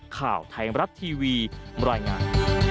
ข่าวไทยมรัฐทีวีบรรยายงาน